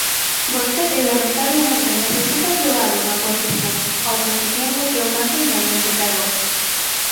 Vostede lamentablemente necesita aprobar unha oposición, a oposición de que o manteñan nese cargo.